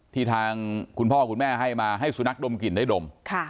ทางคุณพ่อคุณแม่ให้มาให้สุนัขดมกลิ่นได้ดม